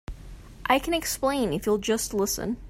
I can explain if you'll just listen.